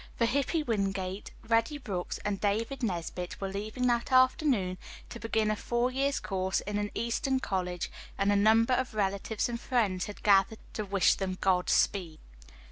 For Hippy Wingate, Reddy Brooks and David Nesbit were leaving that afternoon to begin a four years' course in an eastern college, and a number of relatives and friends had gathered to wish them godspeed.